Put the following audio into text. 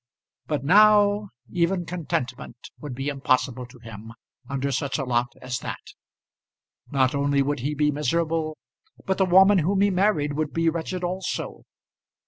But now even contentment would be impossible to him under such a lot as that. Not only would he be miserable, but the woman whom he married would be wretched also.